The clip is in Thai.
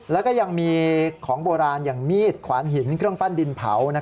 แล้วก็ยังมีของโบราณอย่างมีดขวานหินเครื่องปั้นดินเผา